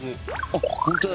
あっ本当だ。